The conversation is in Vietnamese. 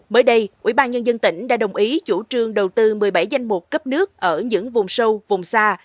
mới đây ủy ban nhân dân tỉnh đã đồng ý chủ trương đầu tư một mươi bảy danh mục cấp nước ở những vùng sâu vùng xa